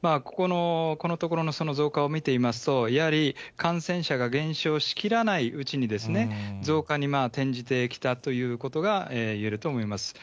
ここのところの増加を見ていますと、やはり感染者が減少しきらないうちに増加に転じてきたということが言えると思います。